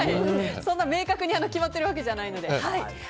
明確に決まってるわけじゃないので。